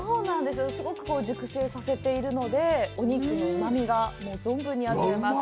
すごく熟成させているので、お肉のうまみが存分に味わえます。